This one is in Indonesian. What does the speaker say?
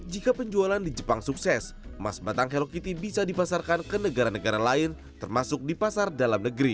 jika penjualan di jepang sukses emas batang hello kitty bisa dipasarkan ke negara negara lain termasuk di pasar dalam negeri